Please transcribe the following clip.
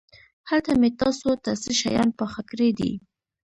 هلته مې تاسو ته څه شيان پاخه کړي دي.